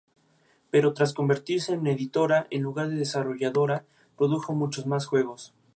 Pero tras convertirse en editora, en lugar de desarrolladora, produjo muchos más juegos.